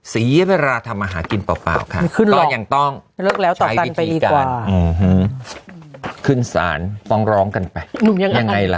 สีเวลาทำอาหารกินเปล่าค่ะก็ยังต้องใช้วิธีการขึ้นสารต้องร้องกันไปยังไงล่ะ